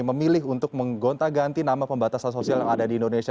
memilih untuk menggonta ganti nama pembatasan sosial yang ada di indonesia